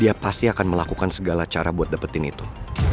dia pasti akan melakukan segala cara buat dapetin itu